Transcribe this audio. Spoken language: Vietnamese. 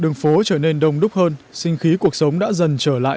đường phố trở nên đông đúc hơn sinh khí cuộc sống đã dần trở lại